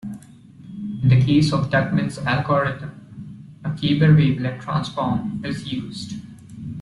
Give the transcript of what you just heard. In the case of Daugman's algorithms, a Gabor wavelet transform is used.